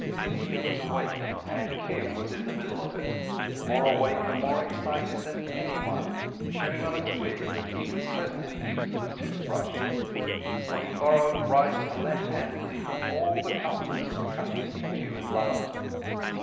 India was awake, and Kim was in the middle of it, more awake and more excited than anyone, chewing on a twig that he would presently use as a toothbrush; for he borrowed right and left handedly from all the customs of the country he knew and loved.